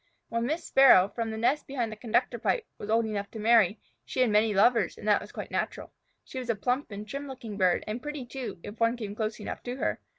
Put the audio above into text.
When Miss Sparrow, from the nest behind the conductor pipe, was old enough to marry, she had many lovers, and that was quite natural. She was a plump and trim looking bird, and pretty, too, if one came close enough to her.